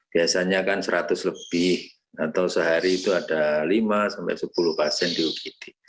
biasanya kan seratus lebih atau sehari itu ada lima sampai sepuluh pasien di ugd